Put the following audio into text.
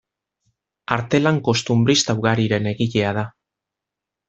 Artelan kostunbrista ugariren egilea da.